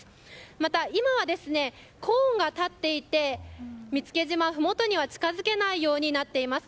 また、今はコーンが立っていて見附島のふもとには近づけないようになっています。